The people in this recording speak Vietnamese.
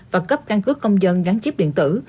và cấp căn cước công dân gắn chip điện tử